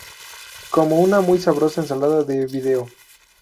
Como una muy sabrosa ensalada de "video".